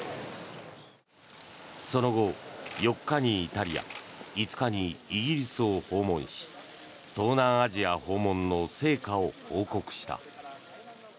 その後、４日にイタリア５日にイギリスを訪問し東南アジア訪問の成果を報告した。